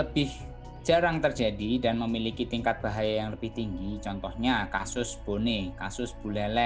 bisa dibilang satu per sepuluh dari energi bom tom hiroshima